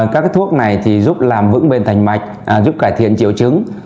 các thuốc này giúp làm vững bền thành mạch giúp cải thiện triệu chứng